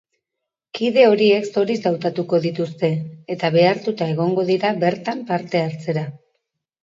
Kide horiek zoriz hautatuko dituzte, eta behartuta egongo dira bertan parte hartzera.